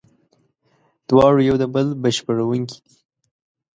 دواړه یو د بل بشپړوونکي دي.